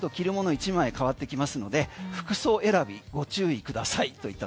１枚変わってきますので服装選びご注意くださいといった